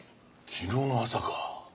昨日の朝か。